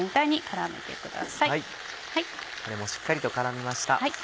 たれもしっかりと絡みました。